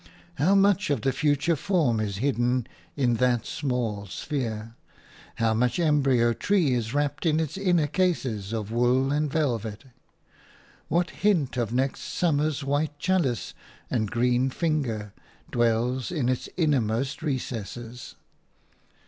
How much of the future form is hidden in that small sphere? How much embryo tree is wrapped in its inner cases of wool and velvet? What hint of next summer's white chalice and green finger dwells in its innermost recesses?